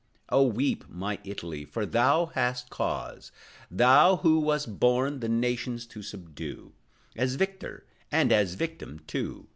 Oh, weep, my Italy, for thou hast cause; Thou, who wast born the nations to subdue, As victor, and as victim, too!